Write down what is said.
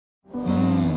うん。